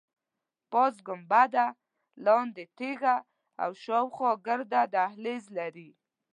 پاس ګنبده، لاندې تیږه او شاخوا ګرد دهلیز لري.